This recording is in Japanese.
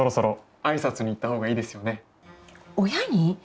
親に？